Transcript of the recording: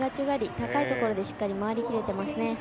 高い所でしっかり回りきれてますね。